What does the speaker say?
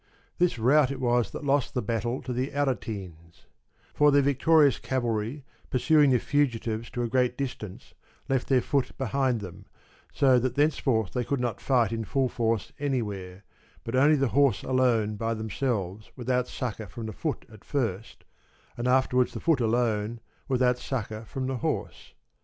This rout it was that lost the battle to the Aretines; for their victorious cavalry, pursuing the fugitives to a great distance, left their foot behind them, so that thenceforth they could not fight in full force anywhere, but only the horse alone by themselves without succour from the foot at first, and afterward the foot alone without succour from the horse.